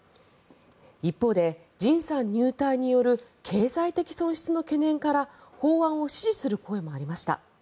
一方でＪＩＮさん入隊による経済的損失の懸念から法案を支持する声もありました。